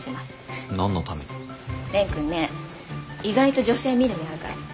蓮くんね意外と女性見る目あるから。